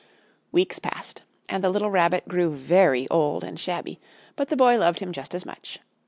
Weeks passed, and the little Rabbit grew very old and shabby, but the Boy loved him just as much.